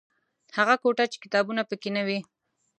هغه کوټه چې کتابونه پکې نه وي.